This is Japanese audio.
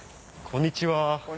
こんにちは。